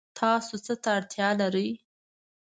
تاسو څه اړتیا لرئ؟